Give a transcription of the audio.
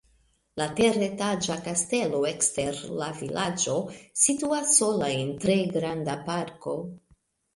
La teretaĝa kastelo ekster la vilaĝo situas sola en tre granda parko.